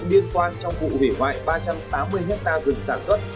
liên quan trong vụ hủy hoại ba trăm tám mươi hectare rừng sản xuất